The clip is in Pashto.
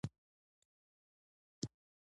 څکلا ښه ده.